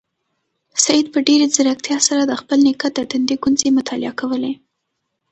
سعید په ډېرې ځیرکتیا سره د خپل نیکه د تندي ګونځې مطالعه کولې.